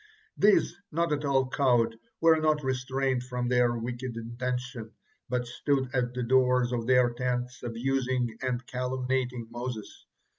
These, not at all cowed, were not restrained from their wicked intention, but stood at the doors of their tents, abusing and calumniating Moses.